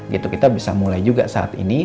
gitu kita bisa mulai juga saat ini